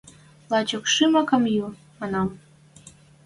– Лачокшымок ам йӱ, – манам.